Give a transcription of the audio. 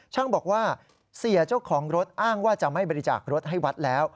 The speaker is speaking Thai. บอกว่าเสียเจ้าของรถอ้างว่าจะไม่บริจาครถให้วัดแล้ว